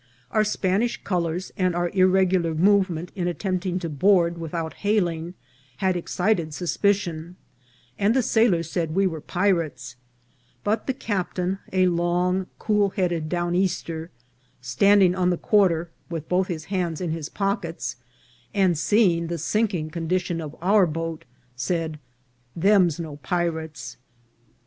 Our Spanish colours, and our irregular move ment in attempting to board without hailing, had exci ted suspicion, and the sailors said we were pirates ; but the captain, a long, cool headed down easter, standing on the quarter with both his hands in his pockets, and seeing the sinking condition of our boat, said, " Them's no pirates."